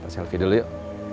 selfie dulu yuk